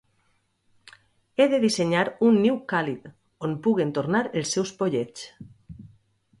He de dissenyar un niu càlid, on puguen tornar els seus pollets...